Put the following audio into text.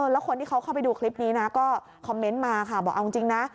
แล้วคนที่เขาเข้าไปดูคลิปนี้นะก็คอมเมนต์มาค่ะบอกเอาจริงนะ